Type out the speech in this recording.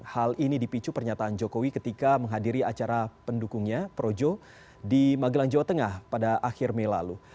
hal ini dipicu pernyataan jokowi ketika menghadiri acara pendukungnya projo di magelang jawa tengah pada akhir mei lalu